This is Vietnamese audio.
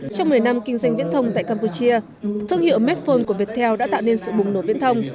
trong một mươi năm kinh doanh viễn thông tại campuchia thương hiệu medphone của viettel đã tạo nên sự bùng nổ viễn thông